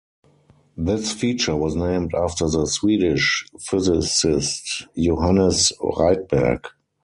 This feature was named after the Swedish physicist Johannes Rydberg.